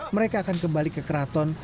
mereka akan kembali ke keraton